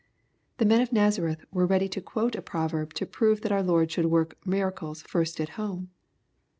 The men of Nazareth were ready to quote a proverb to prove that our Lord should work miracles first at home.